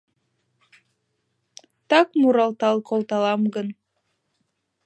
Так муралтал колталам гын